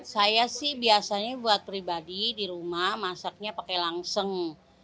saya sih biasanya buat pribadi di rumah masaknya pakai langseng